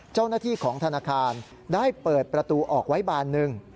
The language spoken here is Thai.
เจ้าหน้าที่ของธนาคารได้เปิดประตูออกไว้บานหนึ่ง